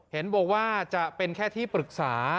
บอกว่าจะเป็นแค่ที่ปรึกษา